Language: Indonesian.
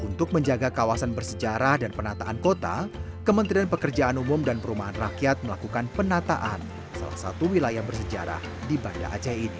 untuk menjaga kawasan bersejarah dan penataan kota kementerian pekerjaan umum dan perumahan rakyat melakukan penataan salah satu wilayah bersejarah di banda aceh ini